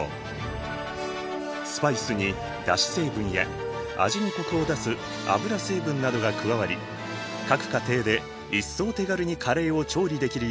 スパイスにだし成分や味にコクを出す油成分などが加わり各家庭で一層手軽にカレーを調理できるようになる。